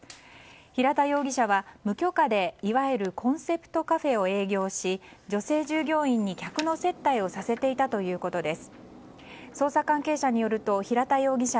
平田容疑者は無許可でいわゆるコンセプトカフェを営業し女性従業員に客の接待をさせていたということです。